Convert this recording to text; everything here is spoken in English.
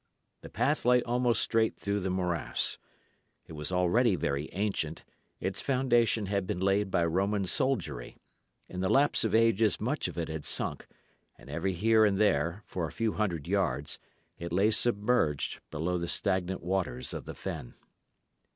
The path lay almost straight through the morass. It was already very ancient; its foundation had been laid by Roman soldiery; in the lapse of ages much of it had sunk, and every here and there, for a few hundred yards, it lay submerged below the stagnant waters of the fen.